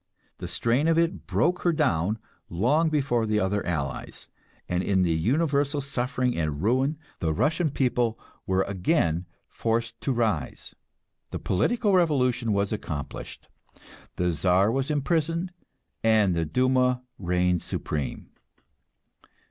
The strain of it broke her down long before the other Allies, and in the universal suffering and ruin the Russian people were again forced to rise. The political revolution was accomplished, the Czar was imprisoned, and the Douma reigned supreme.